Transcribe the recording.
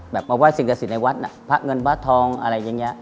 แบบมาไหว้สินคสินในวัดพระเงินบาททองอะไรอย่างเงี้ย